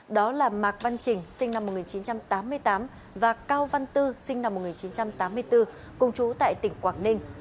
đó là mạc văn trình sinh năm một nghìn chín trăm tám mươi tám và cao văn tư sinh năm một nghìn chín trăm tám mươi bốn cùng chú tại tỉnh quảng ninh